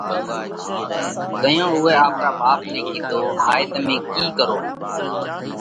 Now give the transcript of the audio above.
زائين اُوئہ آپرا ٻاپ نئہ ڪِيڌو: هائي تمي ڪِي ڪروه؟